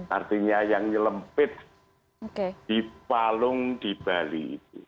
artinya yang nyelempit di palung di bali itu